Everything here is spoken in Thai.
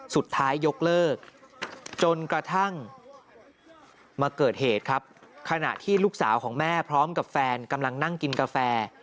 ยกเลิกจนกระทั่งมาเกิดเหตุครับขณะที่ลูกสาวของแม่พร้อมกับแฟนกำลังนั่งกินกาแฟ